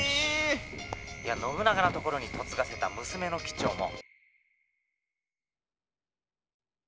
「いや信長のところに嫁がせた娘の帰蝶も」。